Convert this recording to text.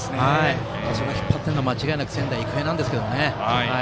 それを引っ張っているのは間違いなく仙台育英なんですけどね。